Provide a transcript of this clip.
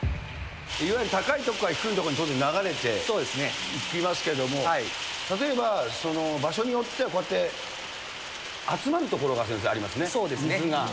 いわゆる高い所から低い所に当然流れていきますけども、例えば場所によってはこうやって集まる所が、先生ありますね、水が。